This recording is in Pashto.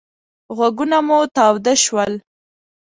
غوږونه مو تاوده شول.